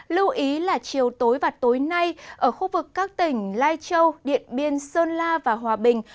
lưu ý là chiều tối và tối nay ở khu vực các tỉnh lai châu điện biên sơn la và hòa bình